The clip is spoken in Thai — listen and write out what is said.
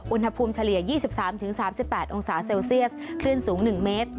เฉลี่ย๒๓๓๘องศาเซลเซียสคลื่นสูง๑เมตร